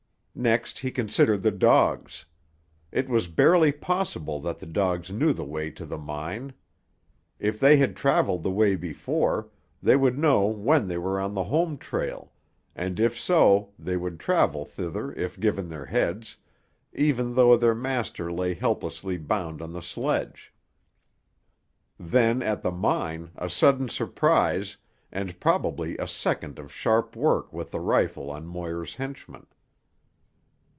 Next he considered the dogs. It was barely possible that the dogs knew the way to the mine. If they had travelled the way before, they would know when they were on the home trail, and if so they would travel thither if given their heads, even though their master lay helplessly bound on the sledge. Then at the mine, a sudden surprise, and probably a second of sharp work with the rifle on Moir's henchmen.